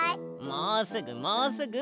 もうすぐもうすぐ！